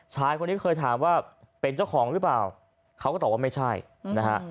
ชายคนนี้เคยถามว่าเป็นเจ้าของหรือเปล่าเขาก็ตอบว่าไม่ใช่นะฮะ